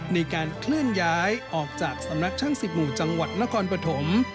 ในการเคลื่อนย้ายออกจากสำนักช่าง๑๐หมู่จังหวัดนครปฐม